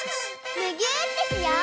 むぎゅーってしよう！